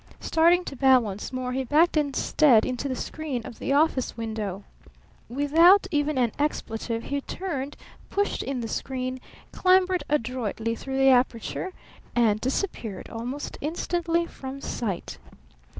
Starting to bow once more, he backed instead into the screen of the office window. Without even an expletive he turned, pushed in the screen, clambered adroitly through the aperture, and disappeared almost instantly from sight.